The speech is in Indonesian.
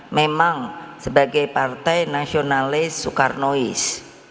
memang sebagai partai nasionalis soekarnois